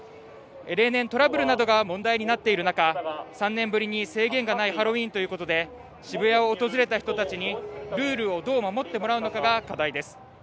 例年、トラブルなどが問題となっている中、３年ぶりに制限のないハロウィーンということで渋谷を訪れた人にルールをどう守ってもらうかが課題です。